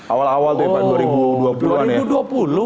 awal awal ya pak dua ribu dua puluh an ya